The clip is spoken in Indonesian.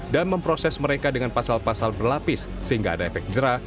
dan memproses mereka dengan pasal pasal berlapis sehingga ada efek jerah